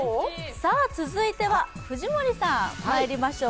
続いては藤森さん、まいりましょう。